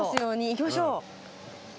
行きましょう。